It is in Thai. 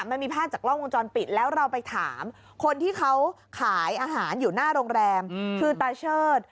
มันมีภาพจากกล้องวงจรปิดแล้วเราไปถามคนที่เขาขายอาหารอยู่หน้าโรงแรมคือตาเชิด